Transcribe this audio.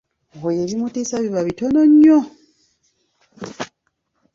Oyo ebimutiisa biba bitono nnyo!